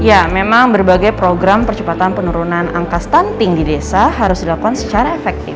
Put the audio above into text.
ya memang berbagai program percepatan penurunan angka stunting di desa harus dilakukan secara efektif